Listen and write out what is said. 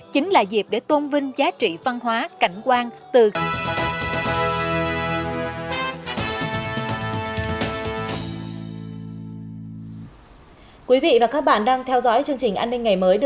chính là dịp để tôn vinh giá trị văn hóa cảnh quan